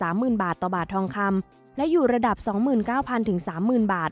๓หมื่นบาทต่อบาททองคำและอยู่ระดับ๒๐๙๓๐๐๐บาท